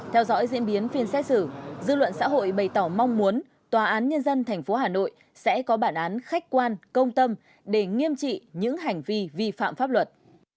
theo dõi diễn biến phiên xét xử dư luận xã hội bày tỏ mong muốn tòa án nhân dân tp hà nội sẽ có bản án khách quan công tâm để nghiêm trị những hành vi vi phạm pháp luật